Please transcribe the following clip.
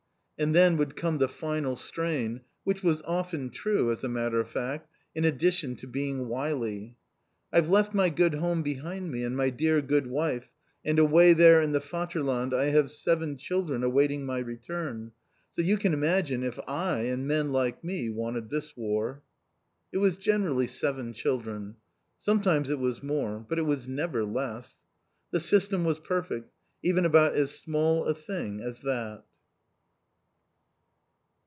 And then would come the final strain, which was often true, as a matter of fact, in addition to being wily. "I've left my good home behind me and my dear good wife, and away there in the Vaterland I have seven children awaiting my return. So you can imagine if I and men like me, wanted this war!" It was generally seven children. Sometimes it was more. But it was never less! The system was perfect, even about as small a thing as that!